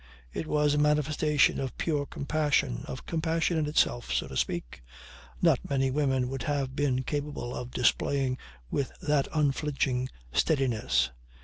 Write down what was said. It was a manifestation of pure compassion, of compassion in itself, so to speak, not many women would have been capable of displaying with that unflinching steadiness.